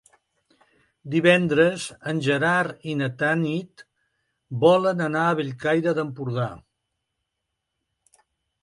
Divendres en Gerard i na Tanit volen anar a Bellcaire d'Empordà.